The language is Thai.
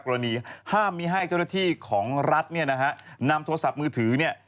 กรณีห้ามมีให้เจ้าหน้าที่ของรัฐเนี่ยนะฮะนำโทรศัพท์มือถือเนี่ย